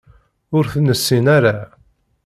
Ur t-nessin ara.